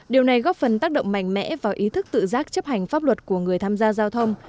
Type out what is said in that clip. điều này góp phần tác động mạnh mẽ vào ý thức tự giác chấp hành pháp luật của người tham gia giao thông